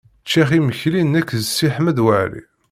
Ččiɣ imekli nekk d Si Ḥmed Waɛli.